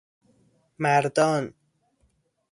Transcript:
مردان